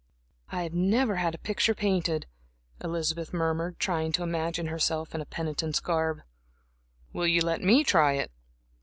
"I have never had my picture painted," Elizabeth murmured, trying to imagine herself in a penitent's garb. "Will you let me try it?"